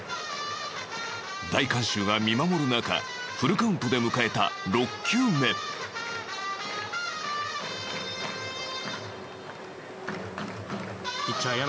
大観衆が見守る中フルカウントで迎えた６球目実況：ピッチャー、柳。